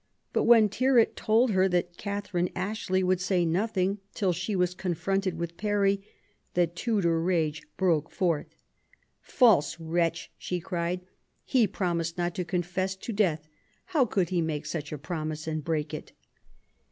But when Tyrwhit told her that Catherine Ashley would say nothing till she was confronted with Parry, the Tudor rage broke forth. False wretch," she cried, he promised not to confess to death ; how could he make such a promise and break it